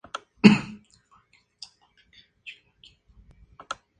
Esto ha sido desacreditado por múltiples fuentes.